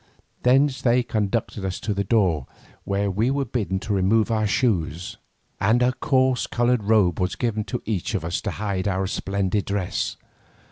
Thence they conducted us to a door where we were bidden to remove our shoes, and a coarse coloured robe was given to each of us to hide our splendid dress.